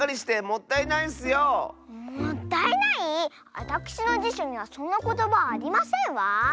あたくしのじしょにはそんなことばはありませんわ！